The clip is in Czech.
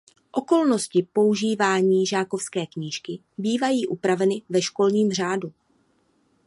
Okolnosti používání žákovské knížky bývají upraveny ve školním řádu.